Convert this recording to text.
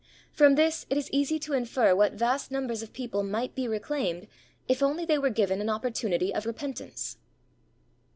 From this it is easy to infer what vast numbers of people might be reclaimed, if only they were given an opportunity of repentance.